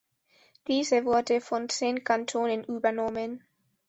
Diese wurde von zehn Kantonen übernommen.